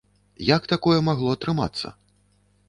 Як такое магло атрымацца?